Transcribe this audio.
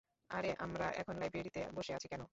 আরে, আমরা এখন লাইব্রেরিতে বসে আছি কেন?